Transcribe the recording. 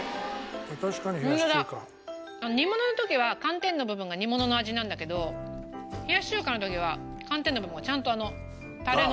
煮物の時は寒天の部分が煮物の味なんだけど冷やし中華の時は寒天の部分がちゃんとあのタレの。